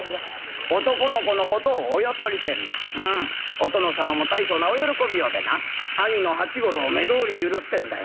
お殿様も大層なお喜びようでな『兄の八五郎目通り許す』ってんだよ。